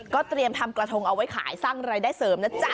ก็เตรียมทำกระทงเอาไว้ขายสร้างอะไรได้เสริม